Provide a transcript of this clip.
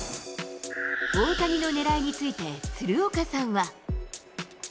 大谷のねらいについて、鶴岡さんは。